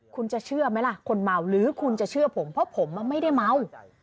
คุณจะเชื่อไหมล่ะคนเมาหรือคุณจะเชื่อผมเพราะผมไม่ได้เมา